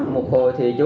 một hồi thì chú